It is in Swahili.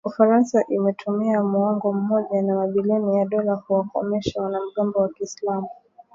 Ufaransa imetumia muongo mmoja na mabilioni ya dola kuwakomesha wanamgambo wa Kiislamu